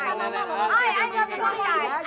ayah nggak berpikir ayah